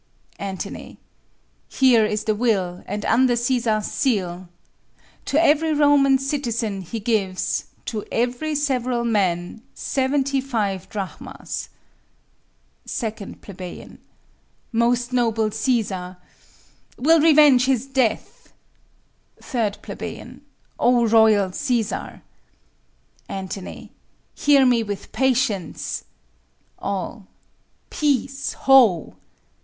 Ant. Here is the will, and under Cæsar's seal. To every Roman citizen he gives, To every several man, seventy five drachmas. 2 Ple. Most noble Cæsar! we'll revenge his death. 3 Ple. O royal Cæsar! Ant. Hear me with patience. All. Peace, ho!